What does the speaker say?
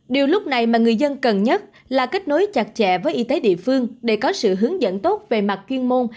điều lúc này mà người dân cần nhất là kết nối chặt chẽ với y tế địa phương để có sự hướng dẫn tốt về mặt chuyên môn